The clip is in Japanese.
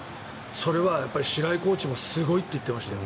それは白井コーチもすごいって言ってましたよ。